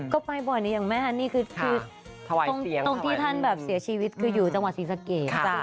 ก็ไปบ่อยอย่างแม่ฮันนี่คือตรงที่ท่านแบบเสียชีวิตคืออยู่จังหวัดศรีสะเกด